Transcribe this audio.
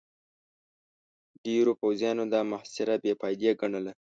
ډېرو پوځيانو دا محاصره بې فايدې ګڼله.